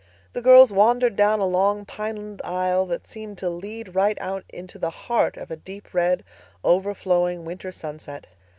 The girls wandered down a long pineland aisle that seemed to lead right out into the heart of a deep red, overflowing winter sunset.